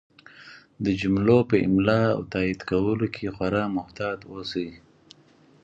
د جملو په املا او تایید کولو کې خورا محتاط اوسئ!